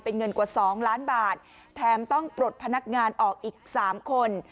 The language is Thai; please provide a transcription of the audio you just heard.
เป็นเงินกว่า๒ล้านบาทแถมต้องปลดพนักงานออกอีก๓คน